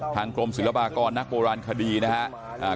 กรมศิลปากรนักโบราณคดีนะครับ